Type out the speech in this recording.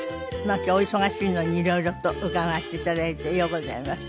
今日お忙しいのに色々と伺わせて頂いてようございました。